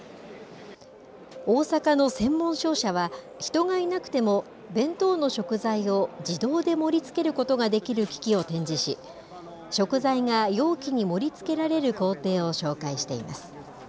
大阪の専門商社は、人がいなくても弁当の食材を自動で盛りつけることができる機器を展示し、食材が容器に盛りつけられる工程を紹介しています。